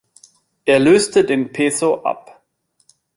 Er löste den Peso ab.